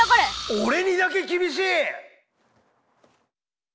俺にだけ厳しい！